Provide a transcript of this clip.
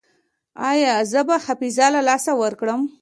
ایا زه به حافظه له لاسه ورکړم؟